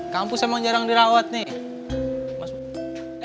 kampus emang jarang dirawat nih